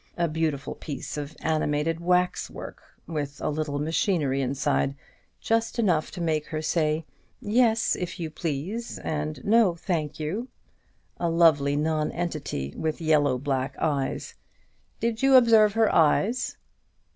A beautiful piece of animated waxwork, with a little machinery inside, just enough to make her say, 'Yes, if you please,' and 'No, thank you.' A lovely non entity with yellow black eyes. Did you observe her eyes?"